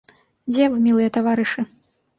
Дзе вы, мілыя таварышы?